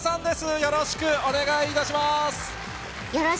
よろしくお願いします。